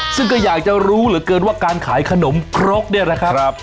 ซึ่งก็อยากจะรู้เหลือเกินว่าการขายขนมครกเนี่ยนะครับ